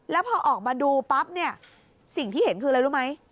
แล้วพอออกมาดูปั๊บเนี่ยสิ่งที่เห็นคืออะไรรู้ไหม